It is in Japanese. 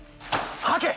はけ！